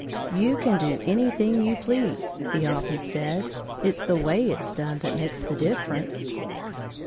"You can do anything you please," he often said; "it's the way it's done that makes the difference."